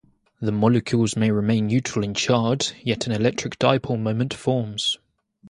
The molecules may remain neutral in charge, yet an electric dipole moment forms.